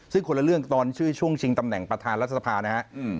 ซึ่งคนละเรื่องตอนชื่อช่วงชิงตำแหน่งประธานรัฐสภานะฮะ